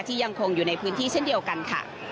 ยังคงอยู่ในพื้นที่เช่นเดียวกันค่ะ